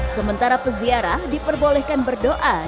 sementara peziarah diperbolehkan berdoa